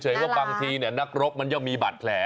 เพราะว่าบางทีเนี่ยนักรบมันจะมีบัตรแผล